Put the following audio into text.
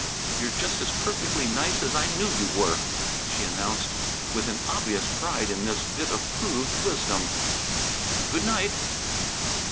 "You're just as perfectly nice as I knew you were," she announced, with an obvious pride in this bit of proved wisdom. "Good night!"